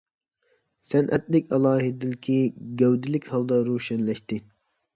سەنئەتلىك ئالاھىدىلىكى گەۋدىلىك ھالدا روشەنلەشتى.